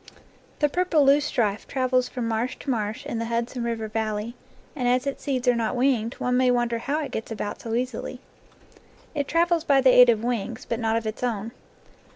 The purple loosestrife travels from marsh to marsh in the Hudson River Valley, and as its seeds are not winged, one may wonder how it gets about so easily. It travels by the aid of wings, but not of its own.